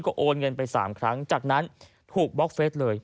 โอนเงินไป๓ครั้งจากนั้นถูกบล็อกเฟสเลย